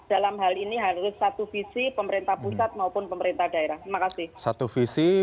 dalam hal ini harus satu visi